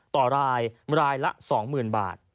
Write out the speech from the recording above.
ต่อรายละ๒๐๐๐๐บาท